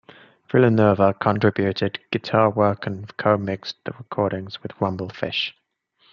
Villanueva contributed guitar work and co-mixed the recordings with Rumblefish.